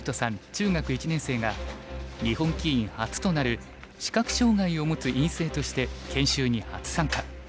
中学１年生が日本棋院初となる視覚障がいをもつ院生として研修に初参加。